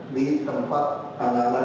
di tempat anggaran